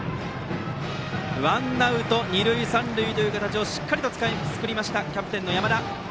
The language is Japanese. ワンアウト二塁三塁という形をしっかり作りましたキャプテンの山田。